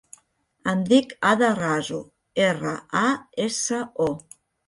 Em dic Ada Raso: erra, a, essa, o.